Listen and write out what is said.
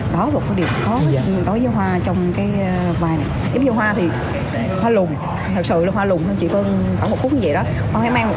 đó là một điểm khó đối với hoa trong cái vai này